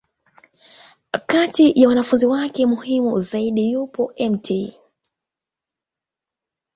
Kati ya wanafunzi wake muhimu zaidi, yupo Mt.